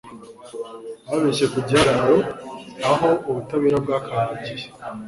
Babeshye ku gihagararo aho ubutabera bwakandagiye